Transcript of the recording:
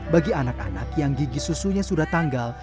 bagi anak anak yang gigi susunya sudah tanggal